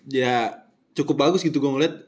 ya cukup bagus gitu gua ngeliat